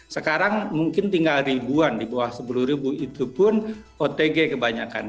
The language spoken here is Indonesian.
sekarang mungkin tinggal ribuan di bawah sepuluh ribu itu pun otg kebanyakan